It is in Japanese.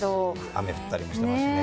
雨降ったりもしてましたしね。